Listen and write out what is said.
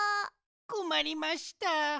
こまりました。